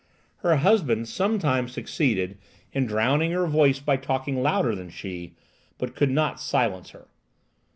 Her husband sometimes succeeded in drowning her voice by talking louder than she, but could not silence her.